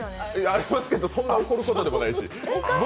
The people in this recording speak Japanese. ありますけど、そんな怒ることでもいないし。